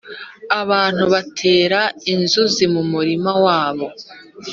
abantu batera inzuzi mu murima wabo